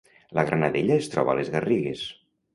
La Granadella es troba a les Garrigues